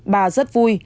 bà rất vui